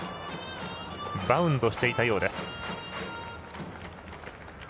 バウンドしていたようです。